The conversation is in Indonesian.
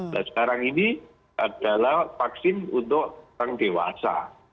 nah sekarang ini adalah vaksin untuk orang dewasa